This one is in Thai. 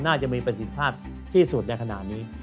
น่าจะมีประสิทธิภาพที่สุดในขณะนี้